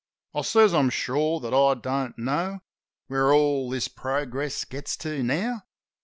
I says I'm sure that I don't know Where all this progress gets to now.